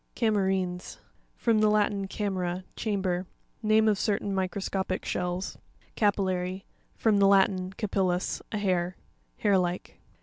Cam'ERINES.— From the Latin, ca mera, chamber. Name of certain microscopic shells (page 32). Cari'LLary.—From the Latin, capil lus, a hair. Hair like.